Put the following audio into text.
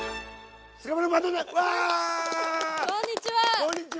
こんにちは！